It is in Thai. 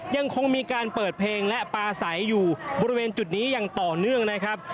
ยังคงมีการเปิดเพลงและปลาใสอยู่บริเวณจุดนี้อย่างต่อเนื่องนะครับ